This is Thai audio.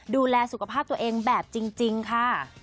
ดูแลสุขภาพตัวเองแบบจริงค่ะ